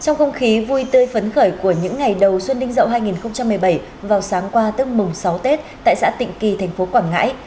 trong không khí vui tươi phấn khởi của những ngày đầu xuân đinh rậu hai nghìn một mươi bảy vào sáng qua tức mùng sáu tết tại xã tịnh kỳ thành phố quảng ngãi